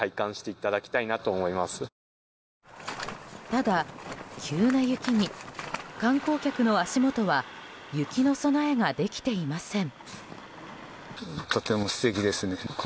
ただ、急な雪に観光客の足元は雪の備えができていません。